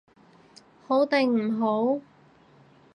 好定唔好？